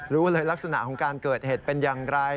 รู้เลยลักษณะของการเกิดเหตุเป็นอย่างไร